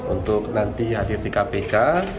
untuk nanti hadir di kpk